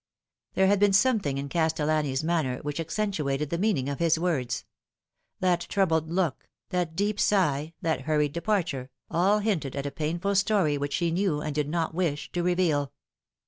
There had been something in Castellani's manner which accentu ated the meaning of hia words. That troubled look, that deep sigh, that hurried departure, all hinted at a painful story which he knew and did not wish to reveal.